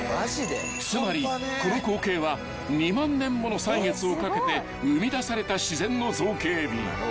［つまりこの光景は２万年もの歳月をかけて生み出された自然の造形美］